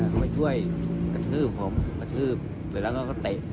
เขามาช่วยกระทืบผมกระทืบเสร็จแล้วเขาก็เตะ